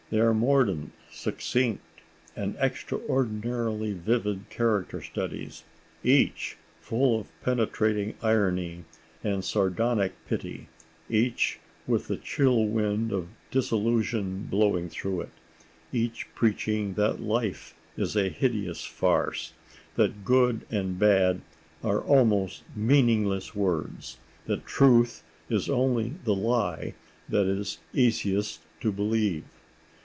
They are mordant, succinct and extraordinarily vivid character studies, each full of penetrating irony and sardonic pity, each with the chill wind of disillusion blowing through it, each preaching that life is a hideous farce, that good and bad are almost meaningless words, that truth is only the lie that is easiest to believe....